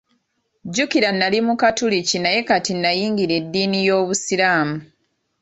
Jjukira nnali Mukatuliki naye kati n'ayingira eddiini y'Obusiraamu.